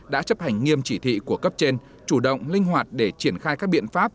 đã chấp hành nghiêm chỉ thị của cấp trên chủ động linh hoạt để triển khai các biện pháp